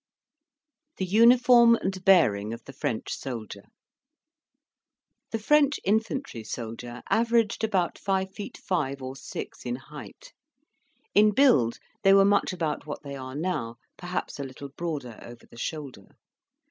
THE UNIFORM AND BEARING OF THE FRENCH SOLDIER The French infantry soldier averaged about five feet five or six in height; in build they were much about what they are now, perhaps a little broader over the shoulder.